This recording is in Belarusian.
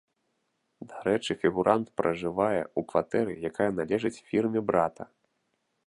Дарэчы, фігурант пражывае ў кватэры, якая належыць фірме брата.